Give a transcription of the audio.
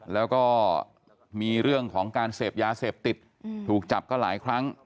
แล้วก็มีเรื่องของการเสพยาเสพติดถูกจับก็หลายครั้ง